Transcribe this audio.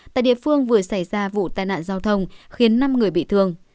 tại địa phương vừa xảy ra vụ tai nạn giao thông khiến năm người bị thương